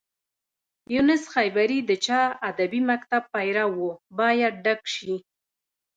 یونس خیبري د چا ادبي مکتب پيرو و باید ډک شي.